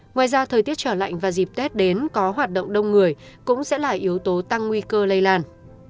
ngoài ra thời tiết trở lạnh và dịp tết đến có hoạt động đông người cũng sẽ là yếu tố tăng nguy cơ lây lan